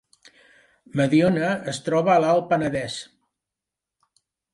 Mediona es troba a l’Alt Penedès